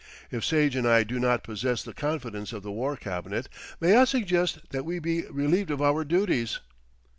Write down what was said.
If Sage and I do not possess the confidence of the War Cabinet, may I suggest that we be relieved of our duties."